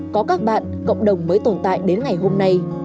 có các bạn cộng đồng mới tồn tại đến ngày hôm nay